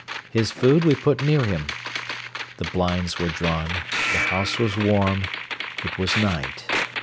His food we put near him. The blinds were drawn, the house was warm, it was night.